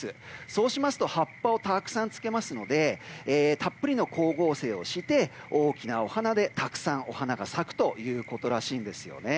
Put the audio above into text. そうしますと葉っぱをたくさんつけますのでたっぷりの光合成をして大きなお花でたくさんお花が咲くということらしいです。